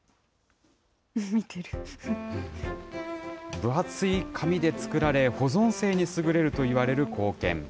分厚い紙で作られ、保存性に優れるといわれる硬券。